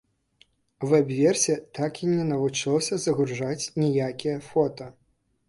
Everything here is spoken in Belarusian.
Вэб-версія так і не навучылася загружаць ніякія фота.